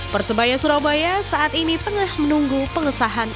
persebaya surabaya saat ini tengah menunggu pengesahan